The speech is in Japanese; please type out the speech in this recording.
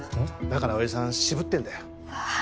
だから親父さん渋ってんだようわー